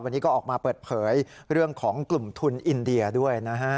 วันนี้ก็ออกมาเปิดเผยเรื่องของกลุ่มทุนอินเดียด้วยนะฮะ